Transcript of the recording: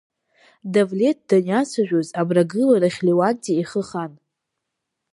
Давлеҭ даниацәажәоз, Амрагыларахь Леуанти ихы хан.